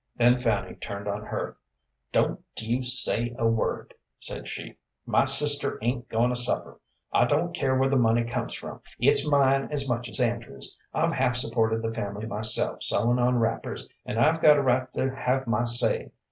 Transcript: Then Fanny turned on her. "Don't you say a word," said she. "My sister ain't goin' to suffer, I don't care where the money comes from. It's mine as much as Andrew's. I've half supported the family myself sewin' on wrappers, and I've got a right to have my say.